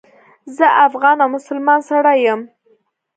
زه افغان او مسلمان سړی یم.